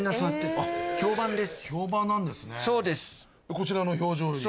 こちらの表情に。